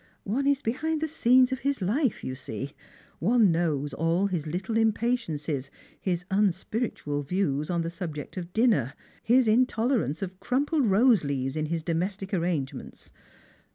One is behind the scenes of his life, you see. One knows all his little impatiences, his unspiritual views on the subject of dinner, his intolerance of crumpled roseleaves in his domestic arrange ments.